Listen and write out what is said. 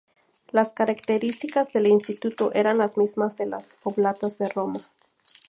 Las características del instituto eran las mismas de las Oblatas de Roma.